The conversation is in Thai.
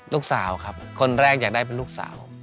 ลูกสาวครับคนแรกอยากได้เป็นลูกสาว